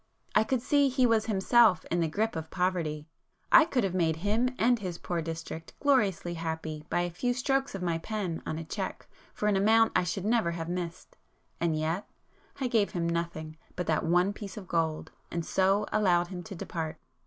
I could see he was himself in the grip of poverty,—I could have made him and his poor district gloriously happy by a few strokes of my pen on a cheque for an amount I should never have missed,—and yet—I gave him nothing but that one piece of gold, and so allowed him to depart.